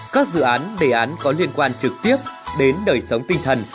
các dự án đề án có liên quan trực tiếp đến đời sống tinh thần